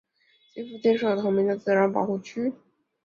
其附近设有同名的自然保护区。